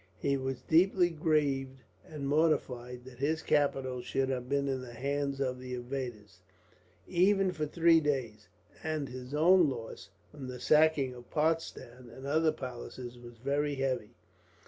He was deeply grieved and mortified that his capital should have been in the hands of the invaders, even for three days; and his own loss, from the sacking of Potsdam and other palaces, was very heavy.